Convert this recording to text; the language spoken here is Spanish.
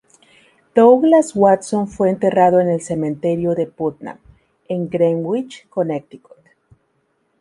Douglass Watson fue enterrado en el Cementerio de Putnam, en Greenwich, Connecticut.